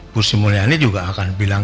bu sri mulyani juga akan bilang